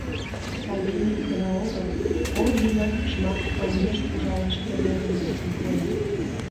— Савельев гына огыл, Колбинат Жмаковлан меж ужалаш доверенностьым пуэн.